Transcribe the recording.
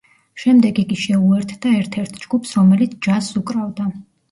შემდეგ იგი შეუერთდა ერთ-ერთ ჯგუფს, რომელიც ჯაზს უკრავდა.